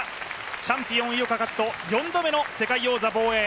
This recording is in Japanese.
チャンピオン・井岡一翔４度目の世界戦防衛。